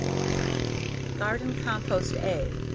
Garden compost "A" 1.